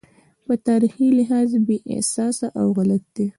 په تاریخي لحاظ بې اساسه او غلط دی.